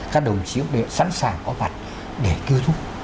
các đồng chí cũng đã sẵn sàng có vặt để cứu giúp